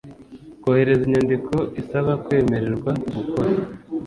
kohereza inyandiko isaba kwemererwa gukora